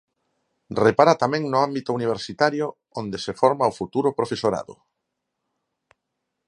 Repara tamén no ámbito universitario, onde se forma o futuro profesorado.